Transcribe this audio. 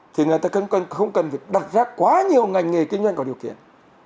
thì người ta không cần phải đặt ra quá nhiều ngành nghề kinh doanh có điều kiện